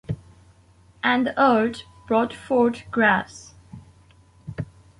And the earth brought forth grass